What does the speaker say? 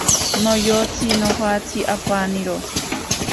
Noyotsi nojatsi apaniro.